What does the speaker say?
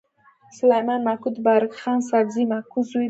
سلیمان ماکو د بارک خان سابزي ماکو زوی دﺉ.